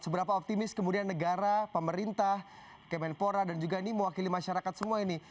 seberapa optimis kemudian negara pemerintah kemenpora dan juga ini mewakili masyarakat semua ini